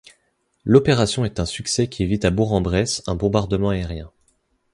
L'opération est un succès qui évite à Bourg-en-Bresse un bombardement aérien.